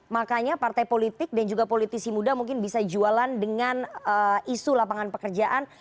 makanya partai politik dan juga politisi muda mungkin bisa jualan dengan isu lapangan pekerjaan